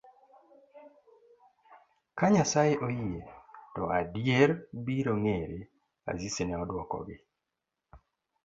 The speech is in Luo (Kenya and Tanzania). ka Nyasaye oyie to adier biro ng'ere, Asisi ne odwokogi.